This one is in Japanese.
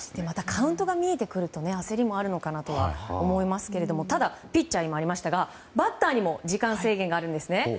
カウントが見えてくると焦りもあるのかなと思いますがただ、ピッチャーもありましたがバッターにも時間制限があります。